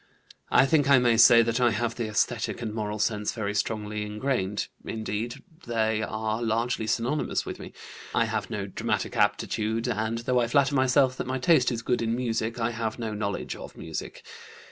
"I think I may say that I have the esthetic and moral sense very strongly ingrained. Indeed, they are largely synonymous with me. I have no dramatic aptitude, and, though I flatter myself that my taste is good in music, I have no knowledge of music.